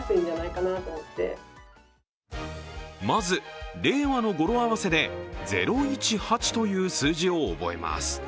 まず令和の語呂合わせで０１８という数字を覚えます。